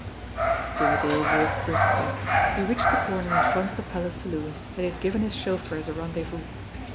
Jimmie Dale walked briskly. He reached the corner in front of the Palace Saloon that he had given his chauffeur as a rendezvous.